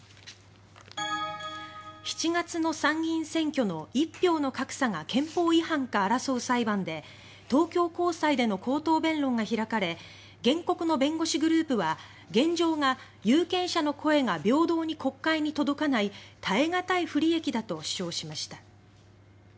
７月の参議院選挙の「一票の格差」が憲法違反か争う裁判で東京高裁での口頭弁論が開かれ原告の弁護士グループは現状が「有権者の声が平等に国会に届かない耐え難い不利益だ」と主張しました。